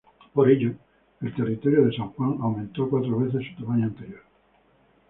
Por ello, el territorio de San Juan aumentó a cuatro veces su tamaño anterior.